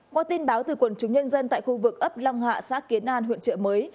qua tin báo từ quần chúng nhân dân tại khu vực ấp long hạ xã kiến an huyện trợ mới